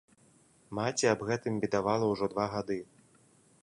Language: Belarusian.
Маці аб гэтым бедавала ўжо два гады.